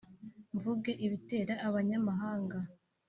mvuge ibitera abanyamahanga